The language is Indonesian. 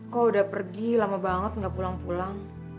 kok udah pergi lama banget gak pulang pulang